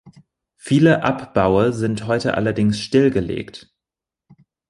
Viele Abbaue sind heute allerdings stillgelegt.